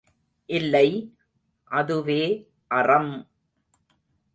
இல்லை, அதுவே அறம்!